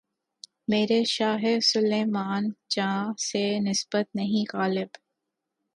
میرے شاہِ سلیماں جاہ سے نسبت نہیں‘ غالبؔ!